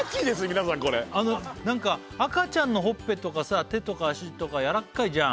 皆さんこれ赤ちゃんのほっぺとかさ手とか足とかやらっかいじゃん